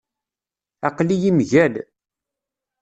Aql-iyi mgal.